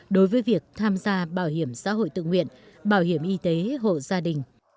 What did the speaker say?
đối với việc tham gia bảo hiểm xã hội tự nguyện bảo hiểm y tế hộ gia đình